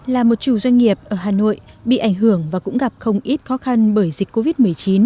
là một chủ doanh nghiệp ở hà nội bị ảnh hưởng và cũng gặp không ít khó khăn bởi dịch covid một mươi chín